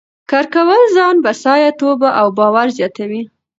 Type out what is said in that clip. کار کول ځان بسیا توب او باور زیاتوي.